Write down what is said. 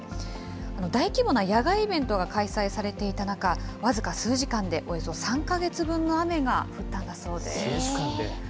大規模な野外イベントが開催されていた中、僅か数時間でおよそ３か月分の雨が降ったんだそうです。